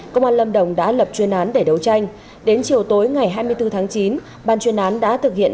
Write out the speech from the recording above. công an lâm đồng đã lập chuyên án để đấu tranh đến chiều tối ngày hai mươi bốn tháng chín ban chuyên án đã thực hiện